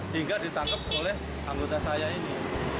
hingga ditangkap oleh anggota saya ini